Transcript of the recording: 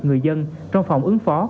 người dân trong phòng ứng phó